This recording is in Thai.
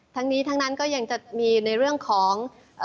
ทั้งนี้ทั้งนั้นก็ยังจะมีในเรื่องของ